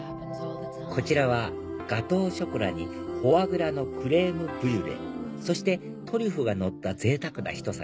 こちらはガトーショコラにフォアグラのクレームブリュレそしてトリュフがのったぜいたくなひと皿